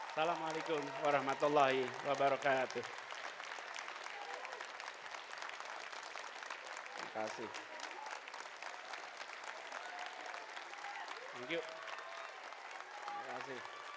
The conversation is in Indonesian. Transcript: assalamu'alaikum warahmatullahi wabarakatuh